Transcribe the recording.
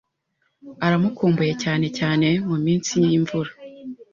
Aramukumbuye, cyane cyane muminsi yimvura.